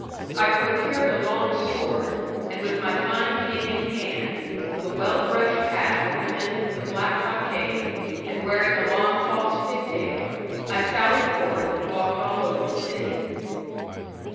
I procured a long sword, and with my fine cane in hand, with a well brushed hat ornamented with a black cockade, and wearing a long false pigtail, I sallied forth and walked all over the city.